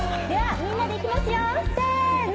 みんなで行きますよ、せーの！